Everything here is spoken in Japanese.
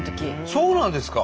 そうなんですか？